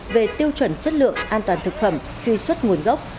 về tiêu chuẩn chất lượng an toàn thực phẩm truy xuất nguồn gốc